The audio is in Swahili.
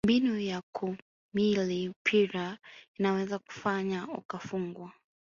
mbinu ya kumili pira inaweza kufanya ukafungwa